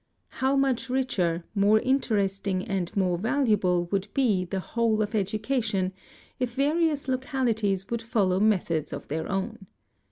How much richer, more interesting and more valuable would be the whole of education if various localities would follow methods of their own.